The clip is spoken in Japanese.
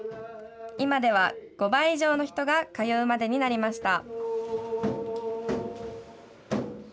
今では５倍以上の人が通うまでになりました。